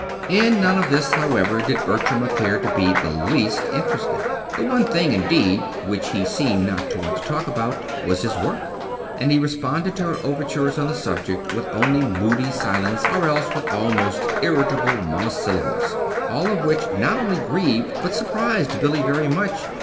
In none of this, however, did Bertram appear in the least interested. The one thing, indeed, which he seemed not to want to talk about, was his work; and he responded to her overtures on the subject with only moody silence, or else with almost irritable monosyllables; all of which not only grieved but surprised Billy very much.